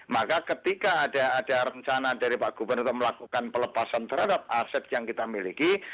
maka ketika ada rencana dari pak gubernur untuk melakukan pelepasan terhadap aset yang kita miliki